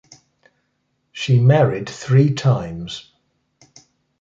She married three times.